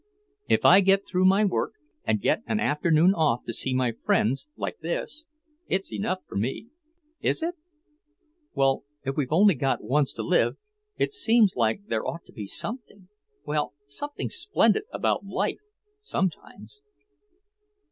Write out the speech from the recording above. If I get through my work, and get an afternoon off to see my friends like this, it's enough for me." "Is it? Well, if we've only got once to live, it seems like there ought to be something well, something splendid about life, sometimes."